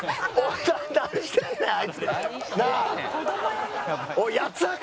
何してんねんあいつ。なあ！